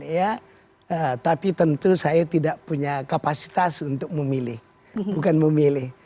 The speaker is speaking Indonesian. ya tapi tentu saya tidak punya kapasitas untuk memilih bukan memilih